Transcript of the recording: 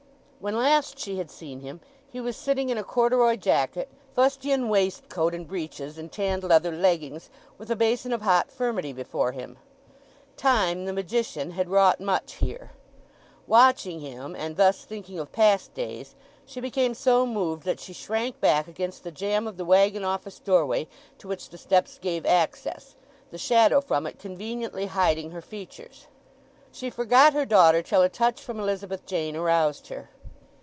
When last she had seen him he was sitting in a corduroy jacket, fustian waistcoat and breeches, and tanned leather leggings, with a basin of hot furmity before him. Time, the magician, had wrought much here. Watching him, and thus thinking of past days, she became so moved that she shrank back against the jamb of the waggon office doorway to which the steps gave access, the shadow from it conveniently hiding her features. She forgot her daughter till a touch from Elizabeth Jane aroused her.